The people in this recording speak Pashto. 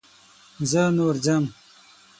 زه نور ځم.